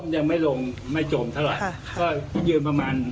ใช่ก็เลยคิดเยอะ